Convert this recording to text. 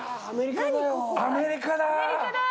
アメリカだー。